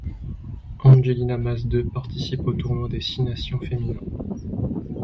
Angelina Masdeu participe au Tournoi des six nations féminin.